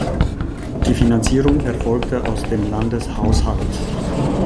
Die Finanzierung erfolgte aus dem Landeshaushalt.